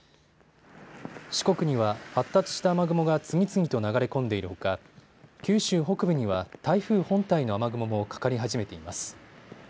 四国には発達した雨雲が次々と流れ込んでいるほか九州北部には台風本体の雨雲もかかり始めています。